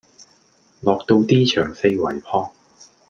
落到 D 場四圍撲